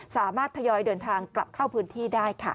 ทยอยเดินทางกลับเข้าพื้นที่ได้ค่ะ